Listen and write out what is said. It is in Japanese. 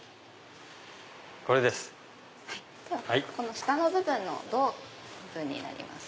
下の部分胴の部分になります。